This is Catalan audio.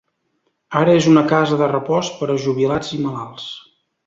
Ara és una casa de repòs per a jubilats i malalts.